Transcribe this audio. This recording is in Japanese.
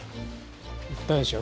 行ったでしょ？